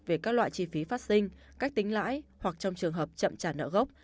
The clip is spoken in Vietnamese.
về các loại chi phí phát sinh cách tính lãi hoặc trong trường hợp chậm trả nợ gốc